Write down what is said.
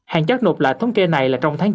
hàng chất nộp lại thống kê này là trong tháng chín